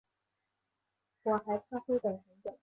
国际疫情快速蔓延带来的输入性风险增加